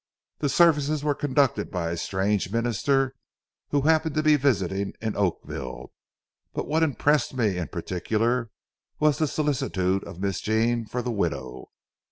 The services were conducted by a strange minister who happened to be visiting in Oakville, but what impressed me in particular was the solicitude of Miss Jean for the widow.